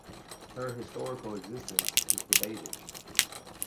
Her historical existence is debated.